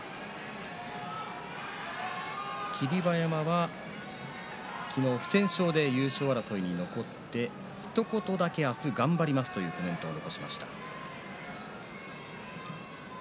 霧馬山は昨日不戦勝で優勝争いに残ってひと言だけ明日頑張りますというコメントを残しました。